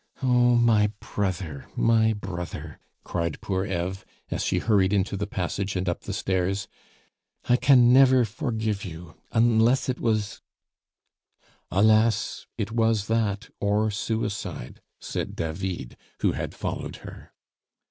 "Oh! my brother, my brother!" cried poor Eve, as she hurried into the passage and up the stairs, "I can never forgive you, unless it was " "Alas! it was that, or suicide," said David, who had followed her.